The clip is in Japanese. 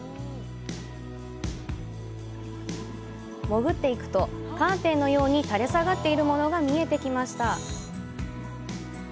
潜っていくと、カーテンのように垂れ下がっているものが見えてきました。